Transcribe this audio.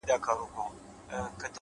په زړه کي مي خبري د هغې د فريادي وې’